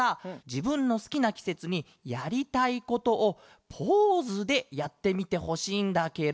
じぶんのすきなきせつにやりたいことをポーズでやってみてほしいんだケロ。